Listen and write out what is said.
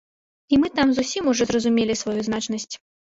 І мы там зусім ужо зразумелі сваю значнасць.